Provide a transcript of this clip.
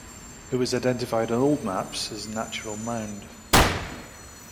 It was identified on old maps as "Natural Mound".